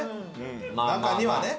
中にはね。